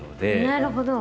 なるほど！